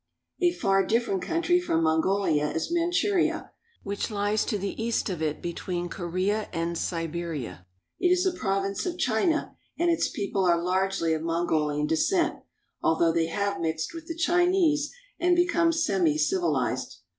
A far different country from Mongolia is Manchuria, which lies to the east of it between Korea and Siberia. It is a province of China, and its people are largely of Mon golian descent, although they have mixed with the Chinese and become semicivilized.